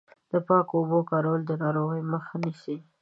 د پاکو اوبو کارول د ناروغیو مخه نیسي.